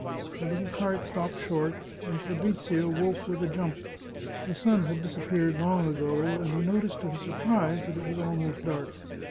The little cart stopped short, and Fabrizio woke with a jump. The sun had disappeared long ago, and he noticed to his surprise that it was almost dark.